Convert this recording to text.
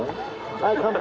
はい乾杯！